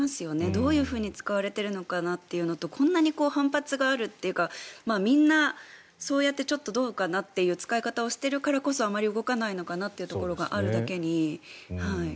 どういうふうに使われてるのかなっていうのとこんなに反発があるというかみんなそうやってちょっとどうかなという使い方をしているからこそあまり動かないのかなというところがあるだけに。